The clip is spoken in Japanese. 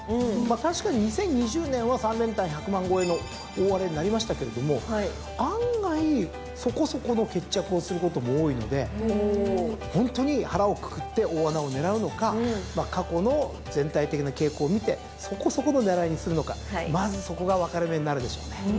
確かに２０２０年は３連単１００万超えの大荒れになりましたけれども案外そこそこの決着をすることも多いのでホントに腹をくくって大穴を狙うのか過去の全体的な傾向を見てそこそこの狙いにするのかまずそこが分かれ目になるでしょうね。